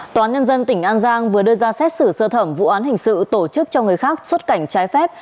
tòa án nhân dân tỉnh an giang vừa đưa ra xét xử sơ thẩm vụ án hình sự tổ chức cho người khác xuất cảnh trái phép